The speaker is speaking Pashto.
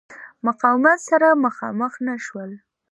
مقاومت سره مخامخ نه شول.